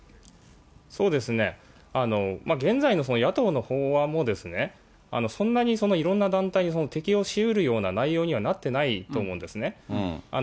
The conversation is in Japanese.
そうですね、現在の野党の法案も、そんなにいろんな団体に適用しうるような内容にはなってないと思うんですね。